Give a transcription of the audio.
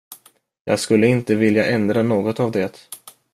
Jag skulle inte vilja ändra något av det.